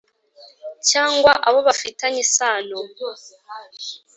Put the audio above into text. cyangwa abo bafitanye isano